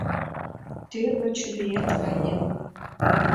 Тӱрвӧ-чуриет каен: